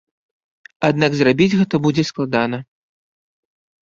Аднак зрабіць гэта будзе складана.